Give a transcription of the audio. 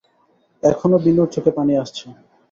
এখনো বিনুর চোখে পানি আসছে।